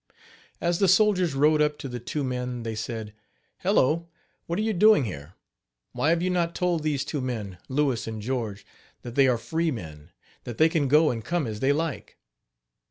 As the soldiers rode up to the two men they said: "Hello! what are you doing here? Why have you not told these two men, Louis and George, that they are free men that they can go and come as they like?